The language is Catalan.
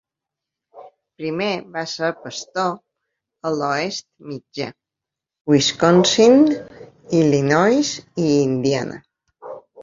Primer va ser pastor a l'Oest Mitjà: Wisconsin, Illinois i Indiana.